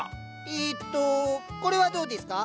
えとこれはどうですか？